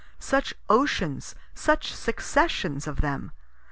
Such oceans, such successions of them.